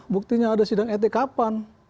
buktinya ada sidang etik kapan